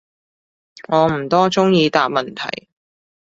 我唔多中意答問題